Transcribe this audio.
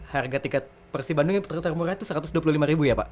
harga tiket persi bandung yang tertar murah itu rp satu ratus dua puluh lima ya pak